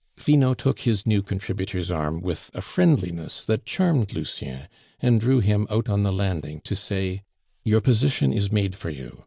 Finot took his new contributor's arm with a friendliness that charmed Lucien, and drew him out on the landing to say: "Your position is made for you.